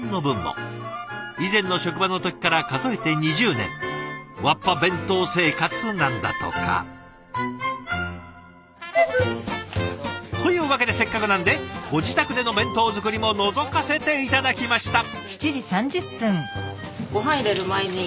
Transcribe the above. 以前の職場の時から数えて２０年わっぱ弁当生活なんだとか。というわけでせっかくなのでご自宅での弁当作りものぞかせて頂きました。